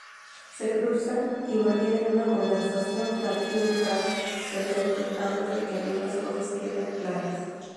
Se cruzan, y mantienen una conversación intrascendente antes de que algunas cosas queden claras.